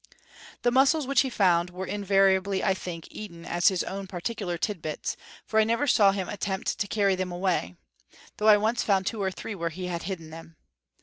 The mussels which he found were invariably, I think, eaten as his own particular tidbits; for I never saw him attempt to carry them away, though once I found two or three where he had hidden them.